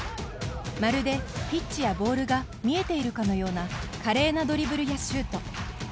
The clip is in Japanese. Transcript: まるで、ピッチやボールが見えているかのような華麗なドリブルやシュート。